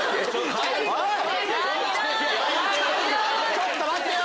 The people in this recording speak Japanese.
ちょっと待ってよ！